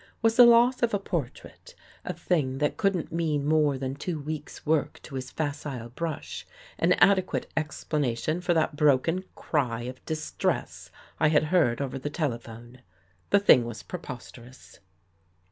Was the loss of a portrait — a thing that couldn't mean more than two weeks' work to his facile brush, an adequate explanation for that broken cry of dis tress I had heard over the telephone? The thing was preposterous